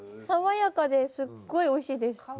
爽やかですっごいおいしいです。